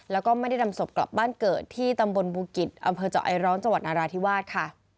แล้วก็ไม่ได้นำศพกลับบ้านเกิดที่ตำบลบูกิจอำเภอเจาะไอร้อนจังหวัดนราธิวาสค่ะ